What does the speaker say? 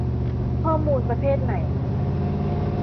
ข้อมูลประเภทไหน